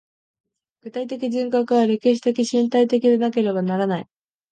具体的人格は歴史的身体的でなければならない。